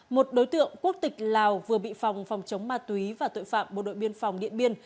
một đối tượng quốc tịch lào vừa bị phòng phòng chống ma túy và tội phạm bộ đội biên phòng điện biên